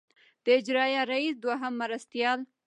د اجرائیه رییس دوهم مرستیال.